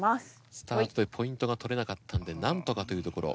スタートでポイントが取れなかったのでなんとかというところ。